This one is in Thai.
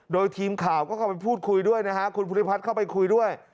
โดยทีมข่าวก็เข้าไปพูดคุยด้วยนะฮะคุณภูริพัฒน์เข้าไปคุยด้วย